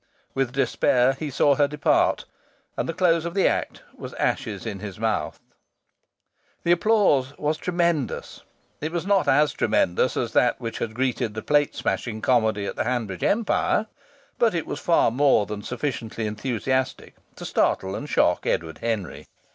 With despair he saw her depart, and the close of the act was ashes in his mouth. The applause was tremendous. It was not as tremendous as that which had greeted the plate smashing comedy at the Hanbridge Empire, but it was far more than sufficiently enthusiastic to startle and shock Edward Henry.